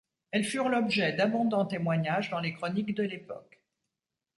Elles furent l'objet d'abondants témoignages dans les chroniques de l'époque.